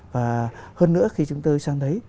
và hơn nữa khi chúng ta đi sang đấy